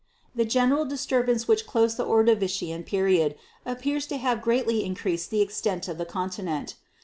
"The general disturbance which closed the Ordovician period appears to have greatly increased the extent of the continent.